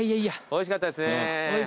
おいしかったです。